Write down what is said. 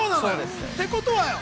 ってことはよ？